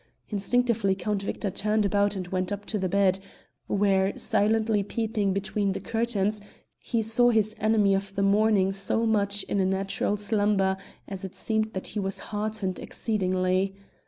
Instinctively Count Victor turned about and went up to the bed, where, silently peeping between the curtains, he saw his enemy of the morning so much in a natural slumber as it seemed that he was heartened exceedingly.